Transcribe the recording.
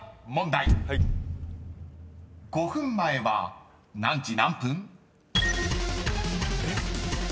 ［５分前は何時何分？］